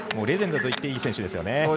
レジェンドといっていい選手ですよね。